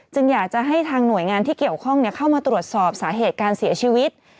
อยากจะให้ทางหน่วยงานที่เกี่ยวข้องเข้ามาตรวจสอบสาเหตุการเสียชีวิต